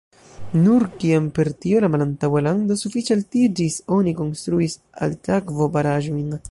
Nur kiam per tio la malantaŭa lando sufiĉe altiĝis, oni konstruis altakvo-baraĵojn.